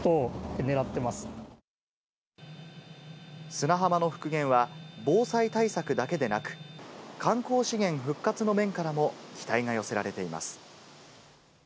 砂浜の復元は防災対策だけでなく、観光資源復活の面からも期待が寄せられています。